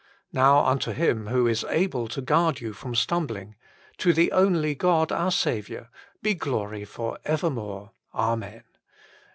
... Now unto Him who is able to guard you from stumbling, to the only God our Saviour, be glory for evermore. Amen."